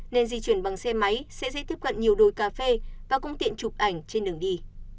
nên di chuyển bằng xe máy sẽ dễ tiếp cận nhiều đồi cà phê và công tiện chụp ảnh trên đường đi